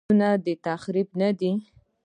لاسونه د تخریب نه دي